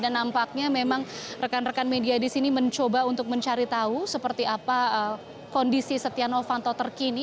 dan nampaknya memang rekan rekan media di sini mencoba untuk mencari tahu seperti apa kondisi setia novanto terkini